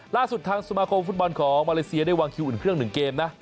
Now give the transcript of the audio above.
ล่าสุดทางสมาคมฟุตบอลของมาเลเซียได้วางคิวอุ่นเครื่อง๑เกมนะ